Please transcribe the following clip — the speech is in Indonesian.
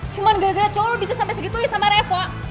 cuman gara gara cowok bisa sampe segitu sama reva